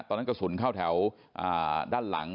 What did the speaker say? ตอนนั้นกระสุนเข้าแถวด้านหลัง